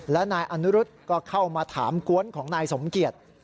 และนายอนุรุษก็เข้ามาถามกวนของนายสมเกียจ